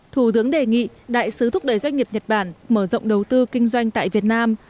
thủ tướng đề nghị đại sứ thúc đẩy doanh nghiệp nhật bản mở rộng đầu tư kinh doanh tại việt nam